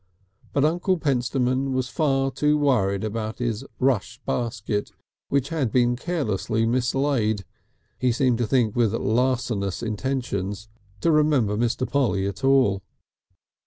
But Uncle Pentstemon was far too worried about his rush basket, which had been carelessly mislaid, he seemed to think with larcenous intentions, to remember Mr. Polly at all.